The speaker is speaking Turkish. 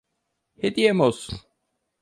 Hediyem olsun.